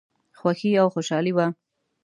خوښي او خوشالي وه.